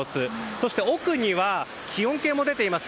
そして奥には気温計も出ています。